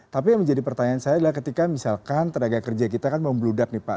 tapi yang menjadi pertanyaan saya adalah ketika misalkan tenaga kerja kita kan membludak nih pak